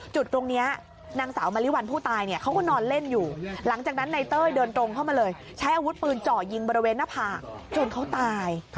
จุดตรงนี้นางสาวมะลิวัลผู้ตายเนี่ยเขาก็นอนเล่นอยู่หลังจากนั้นนายเต้ยเดินตรงเข้ามาเลยใช้อาวุธปืนเจาะยิงบริเวณหน้าผากจนเขาตาย